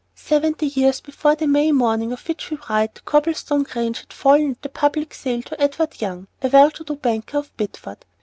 Seventy years before the May morning of which we write, Copplestone Grange had fallen at public sale to Edward Young, a well to do banker of Bideford.